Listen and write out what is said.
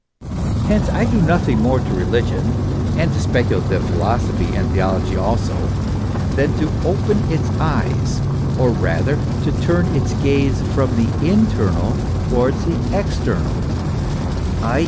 Hence I do nothing more to religion and to speculative philosophy and theology also than to open its eyes, or rather to turn its gaze from the internal towards the external, i.